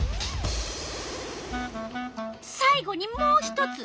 さい後にもう一つ。